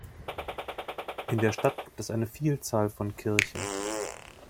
In der Stadt gibt es eine Vielzahl von Kirche.